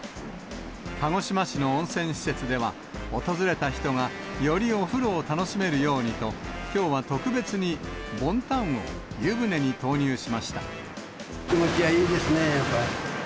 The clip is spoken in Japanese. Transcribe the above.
鹿児島市の温泉施設では、訪れた人が、よりお風呂を楽しめるようにと、きょうは特別にボンタンを湯船に気持ちがいいですね、やっぱり。